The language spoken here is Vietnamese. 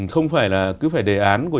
không phải là cứ phải đề án của nhà nước